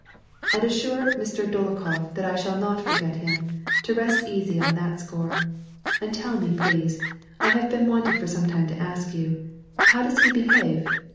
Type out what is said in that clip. " And assure Mr. Dolokhof that I shall not forget him — to rest easy on that score. And tell me please, I have been want ing for some time to ask you, how does he behave